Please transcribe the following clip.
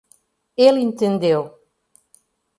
Ele entendeu